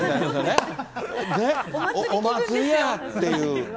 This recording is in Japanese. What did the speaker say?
ね、お祭りやんっていう。